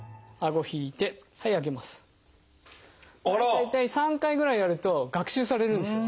大体３回ぐらいやると学習されるんですよ